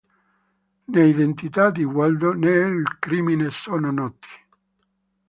Né l'identità di Waldo né il crimine sono noti.